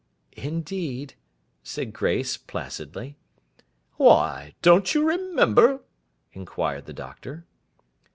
'Indeed?' said Grace, placidly. 'Why, don't you remember?' inquired the Doctor.